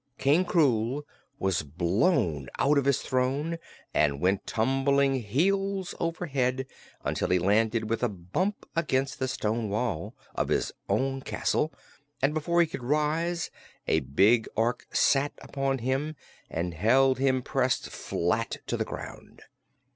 King Krewl was blown out of his throne and went tumbling heels over head until he landed with a bump against the stone wall of his own castle, and before he could rise a big Ork sat upon him and held him pressed flat to the ground.